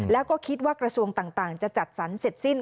แล้วก็คิดว่ากระทรวงต่างจะจัดสรรเสร็จสิ้น